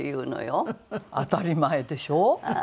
当たり前でしょ。